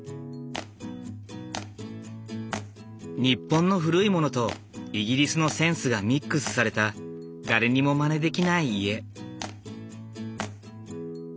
日本の古いものとイギリスのセンスがミックスされた誰にもまねできない家。